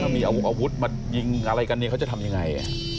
มีอาวุธมายิงอะไรกันเนี่ยเขาจะทำยังไง